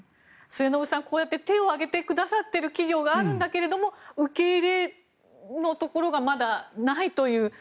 末延さん、こうやって手を挙げてくださっている企業があるんだけれども受け入れのところがまだないという。